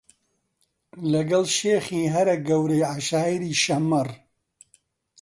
لەگەڵ شێخی هەرە گەورەی عەشایری شەممەڕ